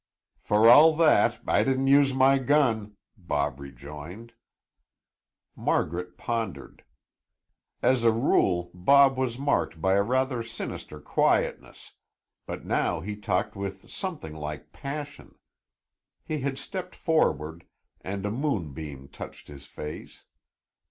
"For all that, I didn't use my gun," Bob rejoined. Margaret pondered. As a rule, Bob was marked by a rather sinister quietness, but now he talked with something like passion. He had stepped forward and a moonbeam touched his face.